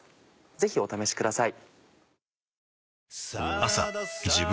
ぜひお試しください。